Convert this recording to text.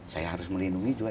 saya harus melindungi juga